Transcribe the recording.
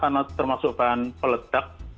karena termasuk bahan peledak